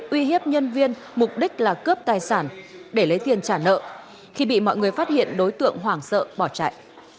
uy hiếp nhân viên mục đích là cướp tài sản để lấy tiền trả nợ khi bị mọi người phát hiện đối tượng hoảng sợ bỏ chạy